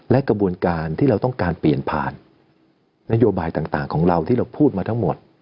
และกระบวนการที่เราต้องการเปลี่ยนผ่านนโยบายต่างของเราที่เราพูดมาทั้งหมด